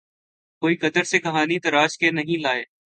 کوئی قطر سے کہانی تراش کے نہیں لائے۔